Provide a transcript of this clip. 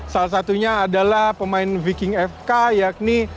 salah satunya adalah pemain viking fk yakni